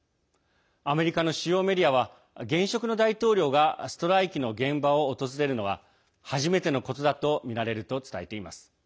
アメリカの主要メディアは現職の大統領がストライキの現場を訪れるのは初めてのことだとみられると伝えています。